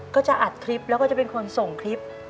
ก็จะอัดคลิปแล้วก็จะเป็นคนส่งคลิป